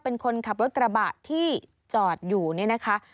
เป็นคนขับรถกระบะที่จอดอยู่นี่นะคะ